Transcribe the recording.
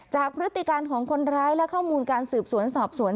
พฤติการของคนร้ายและข้อมูลการสืบสวนสอบสวน